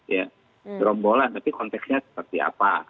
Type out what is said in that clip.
ya gerombolan tapi konteksnya seperti apa